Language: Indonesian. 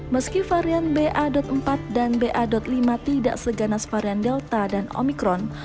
meski varian ba empat dan ba lima tidak seganas varian delta dan omikron